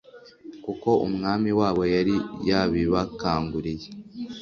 kuko Umwami wabo yari yabibakanguriye.